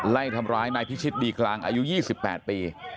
ไล่ทำร้ายนายพิชิตดีกลางอายุ๒๘ปี